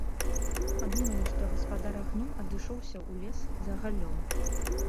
Падумалі, што гаспадар агню адышоўся ў лес за галлём.